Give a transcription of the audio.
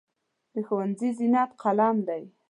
د ښوونځي زینت قلم دی.